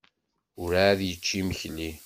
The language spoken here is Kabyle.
Werɛad yečči imekli.